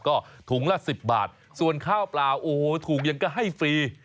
ก็ถุงละ๑๐บาทส่วนข้าวเปล่าโอ้โหถุงยังก็ให้ฟรี